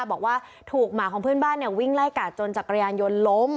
บอกว่าถูกหมาของเพื่อนบ้านวิ่งไล่กัดจนจักรยานยนต์ล้ม